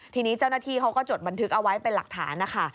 ทีนี้เจ้าหน้าที่เขาก็จดบันทึกเอาไว้เป็นหลักฐานนะคะ